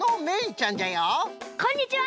こんにちは！